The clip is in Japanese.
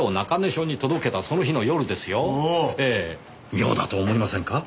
妙だと思いませんか？